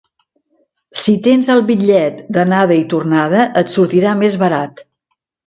Si tens el bitllet d'anada i tornada, et sortirà més barat.